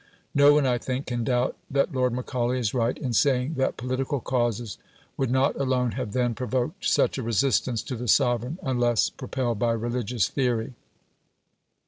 No one, I think, can doubt that Lord Macaulay is right in saying that political causes would not alone have then provoked such a resistance to the sovereign unless propelled by religious theory.